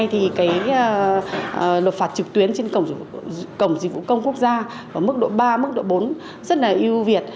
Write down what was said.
hiện nay lộp phạt trực tuyến trên cổng dịch vụ công quốc gia ở mức độ ba mức độ bốn rất là hữu việt